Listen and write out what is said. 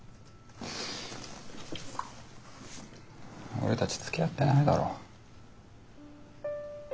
俺たちつきあってないだろ？